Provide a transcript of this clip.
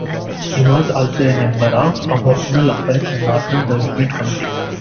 He was also a member of the Aboriginal Affairs and Northern Development committee.